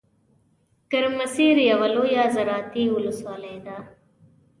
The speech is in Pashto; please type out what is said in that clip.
ګرمسیر یوه لویه زراعتي ولسوالۍ ده .